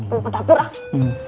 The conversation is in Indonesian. ayo ke dapur lah